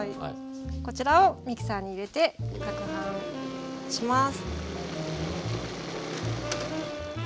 こちらをミキサーに入れてかくはんします。